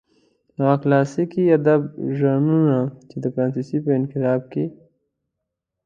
هغه کلاسلیک ادبي ژانرونه چې د فرانسې په انقلاب کې.